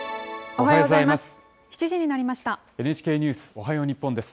おはようございます。